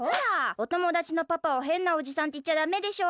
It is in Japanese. おともだちのパパをへんなおじさんっていっちゃダメでしょ！